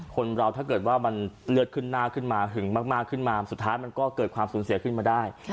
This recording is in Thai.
คนเราถ้าเกิดว่ามันเลือดขึ้นหน้าขึ้นมาหึงมากขึ้นมาสุดท้ายมันก็เกิดความสูญเสียขึ้นมาได้